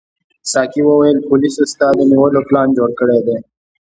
ساقي وویل پولیسو ستا د نیولو پلان جوړ کړی دی.